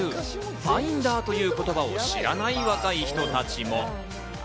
ファインダーという言葉を知らない若い人たちも。